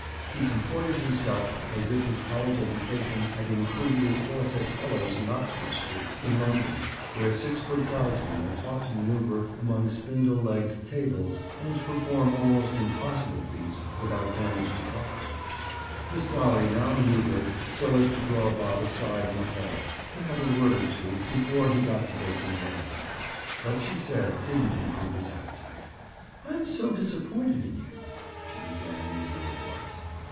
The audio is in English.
He comported himself as if his college education had included a course at Tuller's in Oxford Street, in London, where six foot guardsmen are taught to maneuver among spindle legged tables and to perform almost impossible feats without damage to crockery. Miss Dolly now maneuvered so as to draw Bob aside in the hall to have a word or two before he got to bacon and eggs. What she said didn't improve his appetite. "I'm so disappointed in you," she began in a low voice.